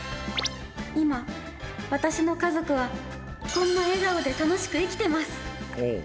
今私の家族はこんな笑顔で楽しく生きてます。